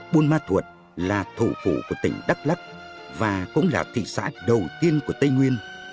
buôn ma thuột là thủ phủ của tỉnh đắk lắc và cũng là thị xã đầu tiên của tây nguyên